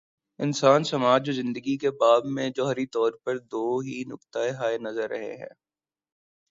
انسان، سماج اور زندگی کے باب میں، جوہری طور پر دو ہی نقطہ ہائے نظر رہے ہیں۔